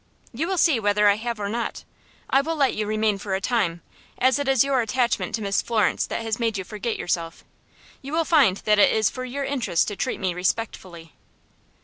"You will see whether I have or not. I will let you remain for a time, as it is your attachment to Miss Florence that has made you forget yourself. You will find that it is for your interest to treat me respectfully."